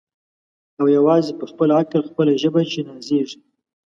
او یوازي په خپل عقل خپله ژبه چي نازیږي